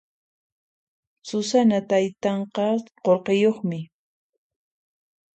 Susanaq taytanqa qullqiyuqmi.